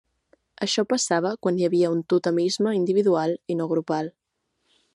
Això passava quan hi havia un totemisme individual i no grupal.